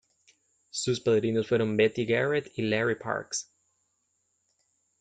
Sus padrinos fueron Betty Garrett y Larry Parks.